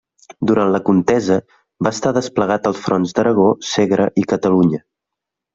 Durant la contesa va estar desplegat als fronts d'Aragó, Segre i Catalunya.